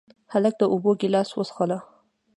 هلک د اوبو ګیلاس وڅښله.